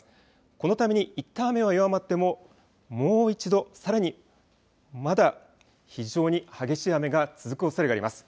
このためにいったん雨は弱まっても、もう一度さらにまだ非常に激しい雨が続くおそれがあります。